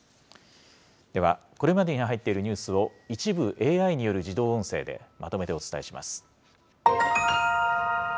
ではこれまでに入っているニュースを一部、ＡＩによる自動音声でまとめてお伝えします。